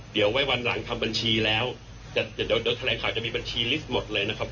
เดี๋ยวไว้วันหลังทำบัญชีแล้วเดี๋ยวแถลงข่าวจะมีบัญชีลิสต์หมดเลยนะครับ